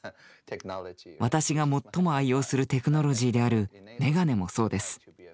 私が最も愛用するテクノロジーである「メガネ」もそうです。